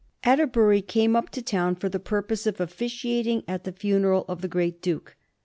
Atterbury came up to town for the purpose of officiating at the ftmeral of the great Duke.